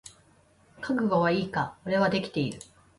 覚悟はいいか？俺はできてる。